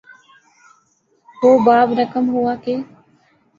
وہ باب رقم ہوا کہ